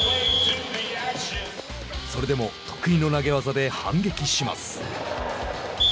それでも得意の投げ技で反撃します。